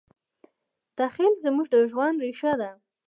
تخیل زموږ د ژوند ریښه ده.